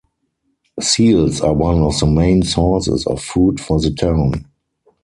Seals are one of the main sources of food for the town.